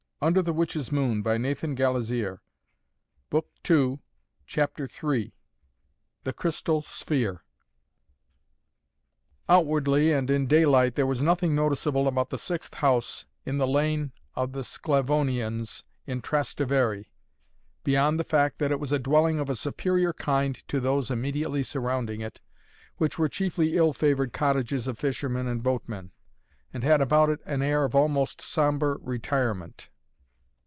Only the dog headed Anubis seemed to stare and nod mysteriously. CHAPTER III THE CRYSTAL SPHERE Outwardly and in daylight there was nothing noticeable about the sixth house in the Lane of the Sclavonians in Trastevere beyond the fact that it was a dwelling of a superior kind to those immediately surrounding it, which were chiefly ill favored cottages of fishermen and boatmen, and had about it an air of almost sombre retirement.